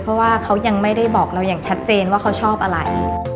เพราะว่าเขายังไม่ได้บอกเราอย่างชัดเจนว่าเขาชอบอะไร